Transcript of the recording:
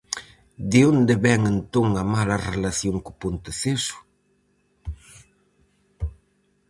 De onde vén entón a mala relación co Ponteceso?